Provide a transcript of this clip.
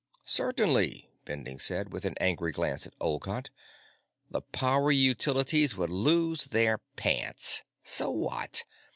"Certainly," Bending said, with an angry glance at Olcott. "The Power Utilities would lose their pants. So what?